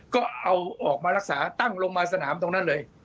ก็เอาออกมารักษาตั้งลงมาสนามตรงนั้นเลย